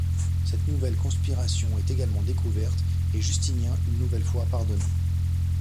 Cette nouvelle conspiration est également découverte, et Justinien une nouvelle fois pardonné.